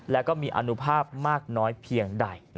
และก็มีอนุภาพมากน้อยเพียงใด